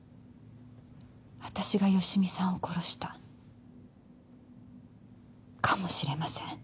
私が芳美さんを殺したかもしれません。